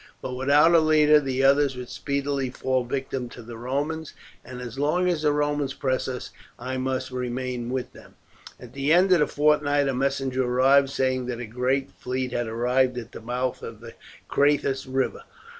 But without a leader the others would speedily fall victims to the Romans, and as long as the Romans press us, I must remain with them." At the end of the fortnight a messenger arrived saying that a great fleet had arrived at the mouth of the Crathis River.